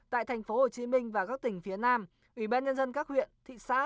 tại tp hcm và các tỉnh phía nam ubnd các huyện thị xã